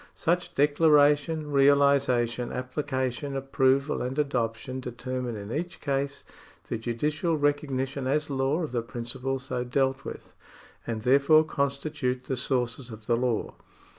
Such declaration, realisation, application, approval, and adoption determine in each case the judicial recognition as law of the principle so dealt with, and there fore constitute the sources of the law.